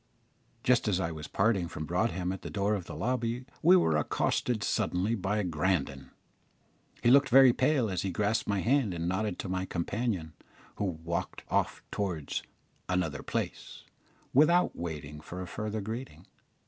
Just as I was parting from Broadhem at the door of the lobby we were accosted suddenly by Grandon. He looked very pale as he grasped my hand and nodded to my companion, who walked off towards "another place" without waiting for a further greeting.